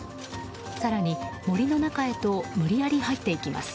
更に森の中へと無理やり入っていきます。